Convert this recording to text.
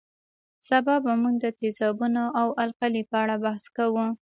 سبا به موږ د تیزابونو او القلي په اړه بحث کوو